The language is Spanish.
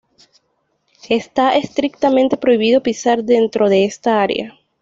Está estrictamente prohibido pisar dentro de esta área.